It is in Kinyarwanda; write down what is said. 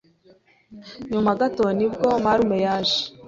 Nyuma gato nibwo marume yaje